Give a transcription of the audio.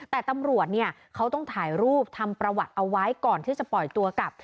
แต่ตำรวจเนี่ยเขาต้องถ่ายรูปทำประวัติเอาไว้ก่อนที่จะปล่อยตัวกลับ